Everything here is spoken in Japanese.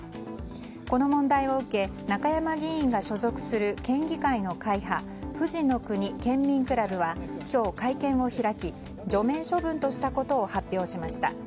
この問題を受け中山議員が所属する県議会の会派ふじのくに県民クラブは今日、会見を開き除名処分としたことを発表しました。